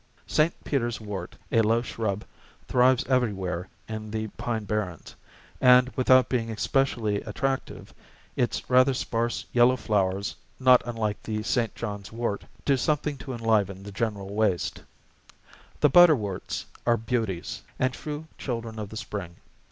St. Peter's wort, a low shrub, thrives everywhere in the pine barrens, and, without being especially attractive, its rather sparse yellow flowers not unlike the St. John's wort do something to enliven the general waste. The butterworts are beauties, and true children of the spring.